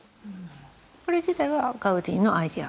これ自体はガウディのアイデア？